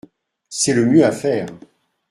C’est le mieux à faire.